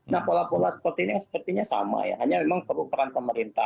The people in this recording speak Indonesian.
nah pola pola seperti ini sepertinya sama ya hanya memang perlu peran pemerintah